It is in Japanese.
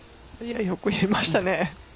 よく入れましたね。